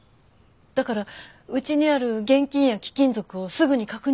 だからうちにある現金や貴金属をすぐに確認しろって。